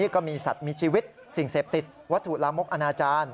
ก็มีสัตว์มีชีวิตสิ่งเสพติดวัตถุลามกอนาจารย์